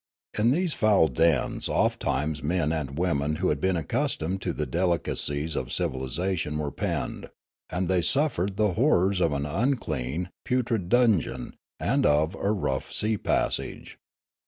In these foul dens oftentimes men and women who had been accustomed to the delicacies of civilisation were penned ; and they suffered the horrors of an unclean, putrid dungeon and of a rough sea passage.